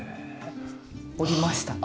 折りました。